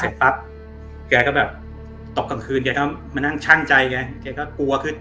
ปั๊บแกก็แบบตกกลางคืนแกก็มานั่งชั่งใจแกก็กลัวขึ้น